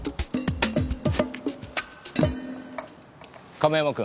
亀山君。